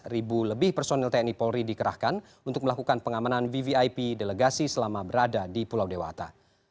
empat ribu lebih personil tni polri dikerahkan untuk melakukan pengamanan vvip delegasi selama berada di pulau dewata